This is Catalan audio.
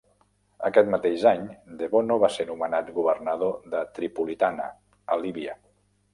Aquest mateix any, De Bono va ser nomenat Governador de Tripolitana, a Líbia.